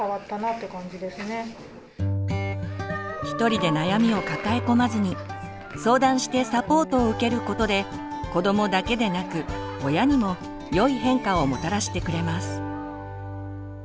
一人で悩みを抱え込まずに相談してサポートを受けることで子どもだけでなく親にも良い変化をもたらしてくれます。